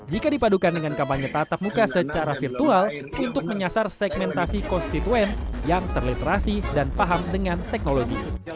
jika dipadukan dengan kampanye tatap muka secara virtual untuk menyasar segmentasi konstituen yang terliterasi dan paham dengan teknologi